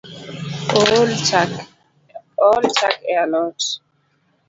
Ool chak e alot